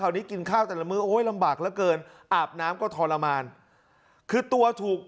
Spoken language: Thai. นี้กินข้าวแต่ละมื้อโอ้ยลำบากเหลือเกินอาบน้ำก็ทรมานคือตัวถูก